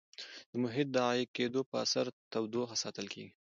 د محیط د عایق کېدو په اثر تودوخه ساتل کیږي.